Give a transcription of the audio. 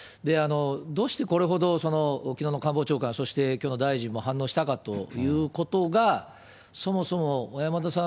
どうしてこれほどきのうの官房長官、そしてきょうの大臣も反応したかということが、そもそも小山田さん